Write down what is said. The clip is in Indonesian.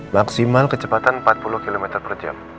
maksimal kecepatan empat puluh km per jam